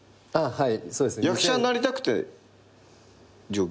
はい。